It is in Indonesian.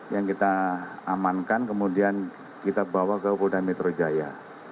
yang kita amankan kemudian kita bawa ke polda metro jaya